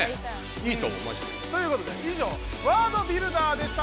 いいと思うマジで。ということでいじょう「ワードビルダー！」でした！